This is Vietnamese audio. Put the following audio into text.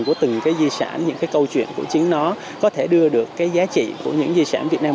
của từng di sản những câu chuyện của chính nó có thể đưa được giá trị của những di sản việt nam